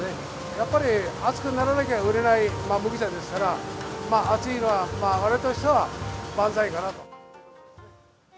やっぱり暑くならなきゃ売れない麦茶ですから、暑いのはわれわれとしては万歳かな。